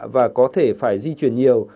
và có thể phải di chuyển nhiều